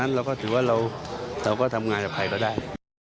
เราก็ถือว่าเราก็ทำงานกับใครก็ได้